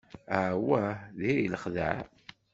Awah, diri lexdeɛ.